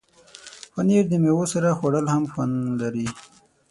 پنېر د میوو سره خوړل هم خوند لري.